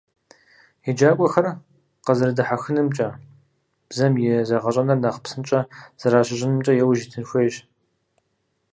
ЕджакӀуэхэр къэзэрыдэхьэхынымкӀэ, бзэм и зэгъэщӀэныр нэхъ псынщӀэ зэращыщӀынымкӀэ яужь итын хуейщ.